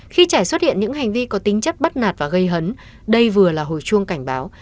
khi trẻ xuất hiện những hành vi có tính chất bắt nạt và gây hấn đây vừa là hồi chuông cảnh báo